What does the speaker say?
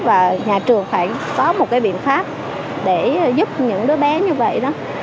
và nhà trường phải có một cái biện pháp để giúp những đứa bé như vậy đó